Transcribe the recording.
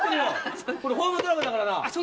これホームドラマだからな！